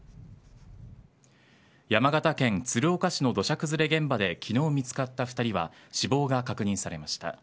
山形県鶴岡市の土砂崩れ現場で昨日見つかった２人は死亡が確認されました。